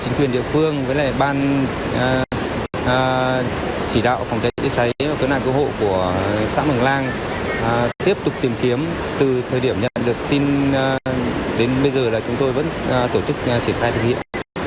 chính quyền địa phương với ban chỉ đạo phòng cháy chữa cháy và cứu nạn cứu hộ của xã mường lang tiếp tục tìm kiếm từ thời điểm nhận được tin đến bây giờ là chúng tôi vẫn tổ chức triển khai thực hiện